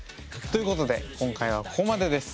ということで今回はここまでです。